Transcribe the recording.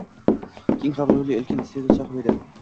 Keng qamrovli ulkan iste’dod sohibi edi